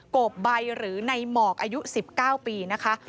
โกบใบหรือในหมอกอายุ๑๙ปีนะคะ